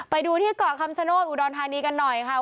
ไปดูที่เกาะคำชโนธอุดรธานีกันหน่อยค่ะ